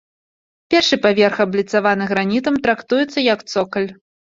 Першы паверх, абліцаваны гранітам, трактуецца як цокаль.